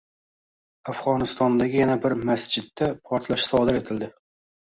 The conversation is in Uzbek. Afg‘onistondagi yana bir masjidda portlash sodir etildi